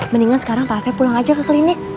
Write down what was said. mendingan sekarang pak saya pulang aja ke klinik